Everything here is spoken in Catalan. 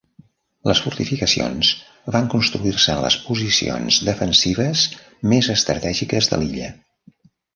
Les fortificacions van construir-se en les posicions defensives més estratègiques de l'illa.